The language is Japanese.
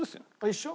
一緒？